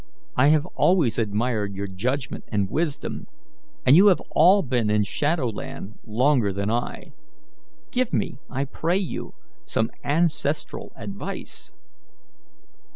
I have always admired your judgment and wisdom, and you have all been in Shadowland longer than I. Give me, I pray you, some ancestral advice."